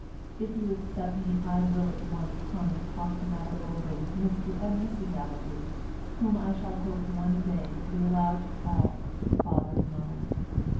If you accept me I will at once come and talk the matter over with Mr and Mrs Allaby, whom I shall hope one day to be allowed to call father and mother.